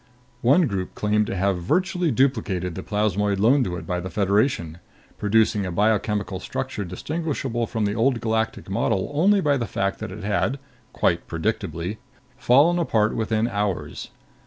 One group claimed to have virtually duplicated the plasmoid loaned to it by the Federation, producing a biochemical structure distinguishable from the Old Galactic model only by the fact that it had quite predictably fallen apart within hours.